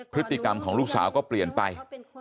พฤติกรรมของลูกสาวก็เปลี่ยนไป